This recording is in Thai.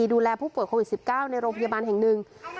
ดูแลผู้ป่วยโควิด๑๙ในโรงพยาบาลแห่งหนึ่ง